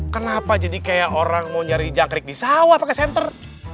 kenapa jadi kayak orang mau nyari jangkrik di sawah pakai senter